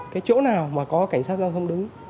cái chỗ nào mà có cảnh sát giao thông đứng